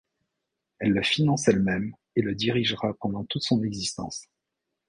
Elle le finance elle-même, et le dirigera pendant toute son existence.